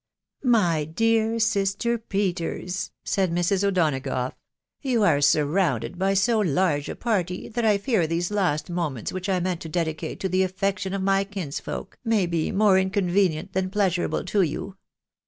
" My dear sister Peters !" said Mrs. O'Donagough, ? yon are surrounded by so large a party, that I fear these las! moments which I meant to dedicate to the affection oFmy kinsfolk, may be more inconvenient than pleasurable to you.